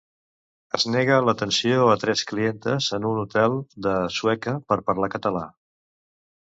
Es nega l'atenció a tres clientes en un hotel de Sueca per parlar català.